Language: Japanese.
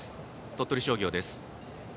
鳥取商業です。